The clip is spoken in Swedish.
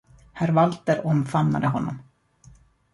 Herr Walter omfamnade honom.